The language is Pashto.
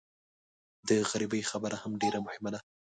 د غریبۍ خبره هم ډېره مهمه ده.